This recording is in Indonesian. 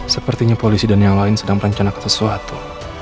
sepertinya polisi dan yang lain sedang merencanakan sesuatu